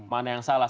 mana yang salah